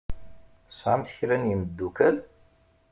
Tesɛamt kra n yemddukal?